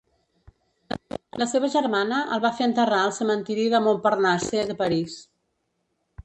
La seva germana el va fer enterrar al cementiri de Montparnasse de París.